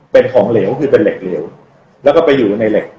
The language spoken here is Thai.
เป็นของเหลวคือเป็นเหล็กเหลวแล้วก็ไปอยู่ในเหล็ก